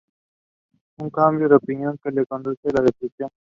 Un cambio de opinión que le conduce a la destrucción.